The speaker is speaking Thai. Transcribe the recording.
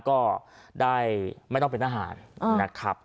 ก็ได้ไม่ต้องเป็นทหารนะครับ